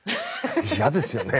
嫌ですよね。